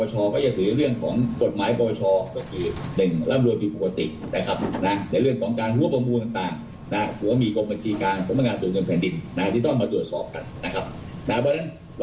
หรือเปล่าหรือว่าท่านจะหัวหัวประกอบไม่หัว